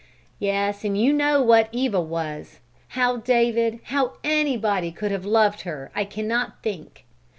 "Yes, and you know what Eva was. How David, how anybody, could have loved her, I cannot think!